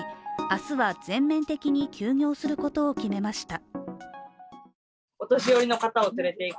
明日は全面的に休業することを決めました。